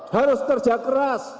harus kerja keras